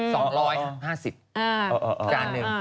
๕๐จานนึง